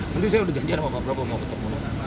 nanti saya udah janjian sama pak prabowo mau ketemu